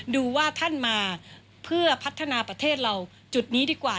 ดูว่าท่านมาเพื่อพัฒนาประเทศเราจุดนี้ดีกว่า